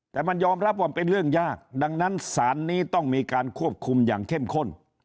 แต่มันยอมรับว่าเป็นเรื่องยากดังนั้นสารนี้ต้องมีการควบคุมอย่างเข้มข้น